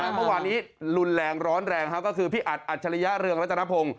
เมื่อวานนี้รุนแรงร้อนแรงก็คือพี่อัดอัจฉริยะเรืองรัตนพงศ์